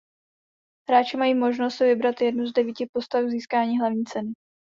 Hráči mají možnost si vybrat jednu z devíti postav k získání hlavní ceny.